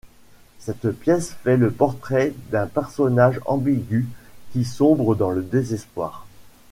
Cette pièce fait le portrait d'un personnage ambigu qui sombre dans le désespoir.